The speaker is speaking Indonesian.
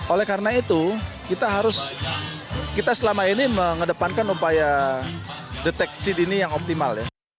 oleh karena itu kita harus kita selama ini mengedepankan upaya deteksi dini yang optimal